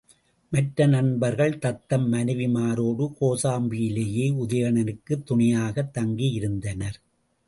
மற்ற நண்பர்கள் தத்தம் மனைவிமாரோடு கோசாம்பியிலேயே உதயணனுக்குத் துணையாகத் தங்கியிருந்தனர்.